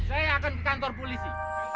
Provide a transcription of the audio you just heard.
saya akan ke kantor polisi